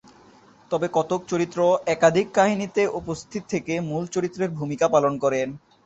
তবে কতক চরিত্র একাধিক কাহিনীতে উপস্থিত থেকে মূল চরিত্রের ভুমিকা পালন করে।